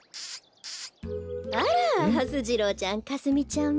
あらはす次郎ちゃんかすみちゃんも。